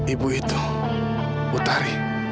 ibu itu utari